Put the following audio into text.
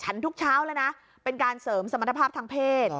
ทุกเช้าเลยนะเป็นการเสริมสมรรถภาพทางเพศ